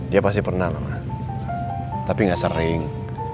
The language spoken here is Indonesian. dia pasti pernah lah tapi gak sering